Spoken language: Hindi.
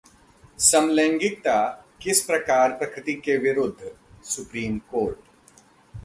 समलैंगिकता किस प्रकार प्रकृति के विरूद्धः सुप्रीम कोर्ट